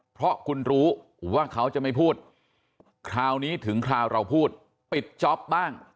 เพราะคุณรู้ว่าเขาจะไม่พูดคราวนี้ถึงคราวเราพูดปิดจ๊อปบ้าง